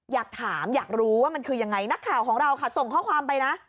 อยากถามอยากรู้ว่ามันคือยังไงนักข่าวของเราค่ะส่งข้อความไปนะ